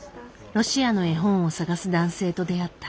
ロシアの絵本を探す男性と出会った。